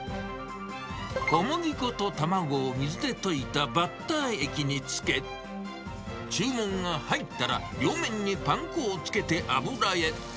小麦粉と卵を水で溶いたバッター液に漬け、注文が入ったら両面にパン粉をつけて油へ。